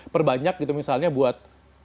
perbanyak gitu misalnya buat